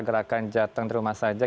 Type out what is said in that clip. gerakan jateng terumah saja